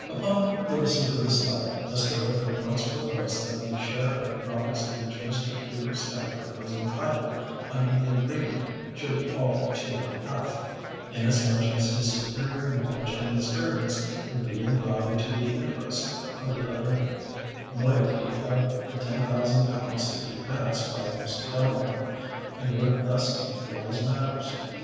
Upon the receipt of this letter, Mr. Hope at once proposed that the share of the profits to which Mr. Hubert Stamford was entitled under the agreement should be altered to one half, inasmuch as his superior knowledge and experience would be in value to the interest of the other moiety of the ten thousand pounds to be advanced by Mr. Delamere, and would thus equalise matters.